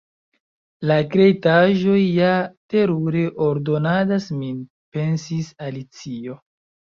"La kreitaĵoj ja terure ordonadas min," pensis Alicio.